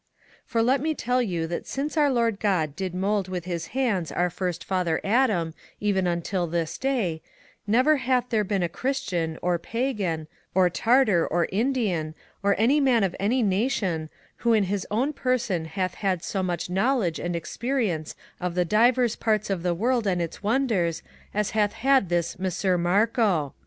For let me tell you that since our Lord God did mould with his hands our first Father Adam, even until this day, never hath there been Christian, or Pagan, or VOL. I, A 2 MARCO POLO Prol. Tartar, or Indian, or any man of any nation, who in his own person hath had so much knowledge and experience of the divers parts of the World and its Wonders as hath had this Messer Marco